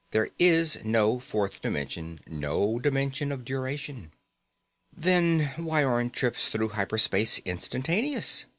There is no fourth dimension, no dimension of duration." "Then why aren't trips through hyper space instantaneous?